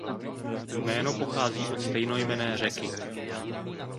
Jméno pochází od stejnojmenné řeky.